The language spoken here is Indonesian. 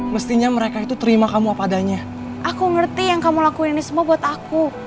mestinya mereka itu terima kamu apa adanya aku ngerti yang kamu lakuin ini semua buat aku